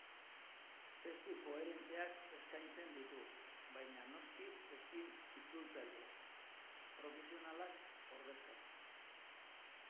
Testu koherenteak eskaintzen ditu, baina noski ezin itzultzaile profesionalak ordezkatu.